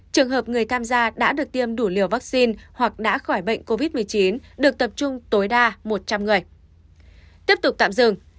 trường hợp người tham gia đã được tiêm đủ liều vaccine hoặc đã khỏi bệnh covid một mươi chín được tập trung tối đa một trăm linh người